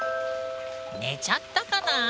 寝ちゃったかな？